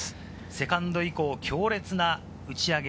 セカンド以降、強烈な打ち上げ。